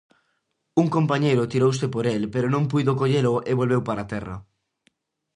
Un compañeiro tirouse por el pero non puido collelo e volveu para terra.